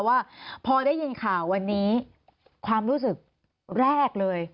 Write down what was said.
ว่าพอได้ยินข่าววันนี้ความรู้สึกแรกเลย